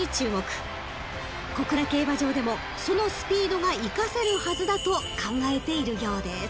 ［小倉競馬場でもそのスピードが生かせるはずだと考えているようです］